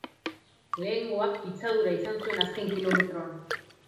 Lehengoak pitzadura izan zuen azken kilometroan.